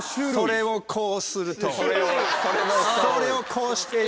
それをこうするとそれをこうして正解！